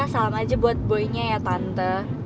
salam aja buat boynya ya tante